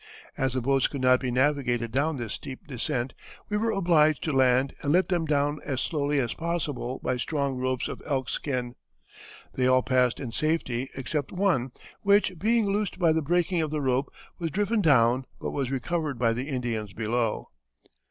As the boats could not be navigated down this steep descent, we were obliged to land and let them down as slowly as possible by strong ropes of elk skin." They all passed in safety except one, which, being loosed by the breaking of the rope, was driven down, but was recovered by the Indians below.